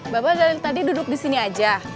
bapak dari tadi duduk di sini aja